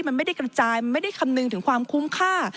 มันไม่ได้กระจายมันไม่ได้คำนึงถึงความคุ้มค่า